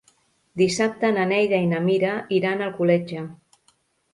Dissabte na Neida i na Mira iran a Alcoletge.